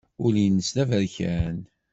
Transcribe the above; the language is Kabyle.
Ul-nnes d aberkan.